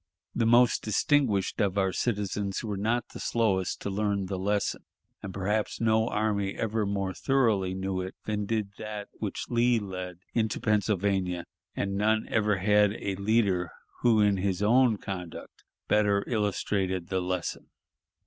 The most distinguished of our citizens were not the slowest to learn the lesson, and perhaps no army ever more thoroughly knew it than did that which Lee led into Pennsylvania, and none ever had a leader who in his own conduct better illustrated the lesson.